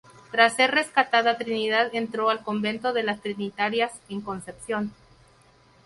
Tras ser rescatada Trinidad entró al Convento de las Trinitarias en Concepción.